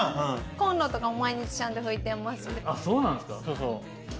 コンロとかも毎日ちゃんと拭いてます。